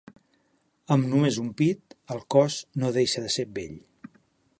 Amb només un pit, el cos no deixa de ser bell.